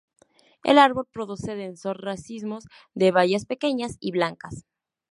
El árbol produce densos racimos de bayas pequeñas y blancas.